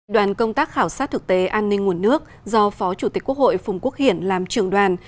đoàn công tác khảo sát thực tế an ninh nguồn nước do phó chủ tịch quốc hội phùng quốc hiển làm trưởng đoàn